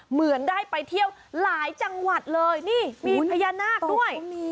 เหมือนได้ไปเที่ยวหลายจังหวัดเลยนี่มีพญานาคด้วย